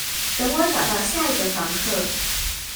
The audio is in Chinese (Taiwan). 等我找到下一個房客